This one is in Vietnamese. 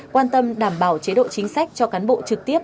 quan tâm đảm bảo chế độ chính sách cho cán bộ trực tiếp